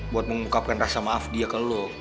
buat mengungkapkan rasa maaf dia ke lu